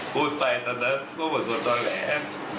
พูดไปตอนนั้นน่วงว่าหมดศวนตอนแล้ว